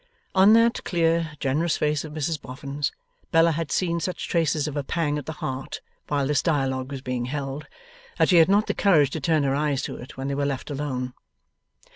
On that clear, generous face of Mrs Boffin's, Bella had seen such traces of a pang at the heart while this dialogue was being held, that she had not the courage to turn her eyes to it when they were left alone.